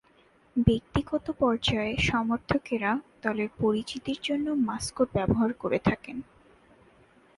ব্যক্তিগত পর্যায়ে সমর্থকেরা দলের পরিচিতির জন্য মাস্কট ব্যবহার করে থাকেন।